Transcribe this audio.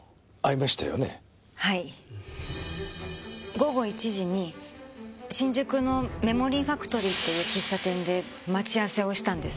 午後１時に新宿のメモリーファクトリーっていう喫茶店で待ち合わせをしたんです。